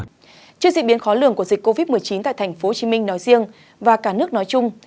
trước diễn biến khó lường của dịch covid một mươi chín tại tp hcm nói riêng và cả nước nói chung